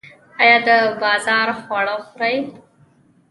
ایا د بازار خواړه خورئ؟